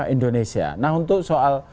indonesia nah untuk soal